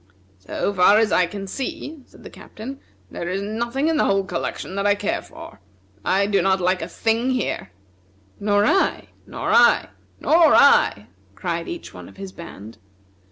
"So far as I can see," said the Captain, "there is nothing in the whole collection that I care for. I do not like a thing here!" "Nor I!" "Nor I!" "Nor I!" cried each one of his band.